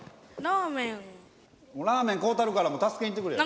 ラーメン買うたるから助けに行ってくれ。